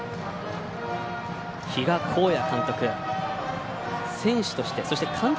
比嘉公也監督。